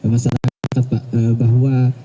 masyarakat pak bahwa